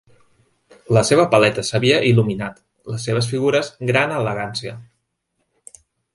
La seva paleta s'havia il·luminat, les seves figures gran elegància.